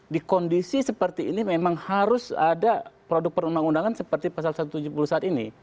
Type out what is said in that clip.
di kondisi seperti ini memang harus ada produk perundang undangan seperti pasal satu ratus tujuh puluh satu ini